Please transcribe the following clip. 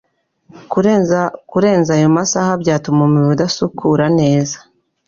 kurenza ayo masaha byatuma umubiri udasukura neza.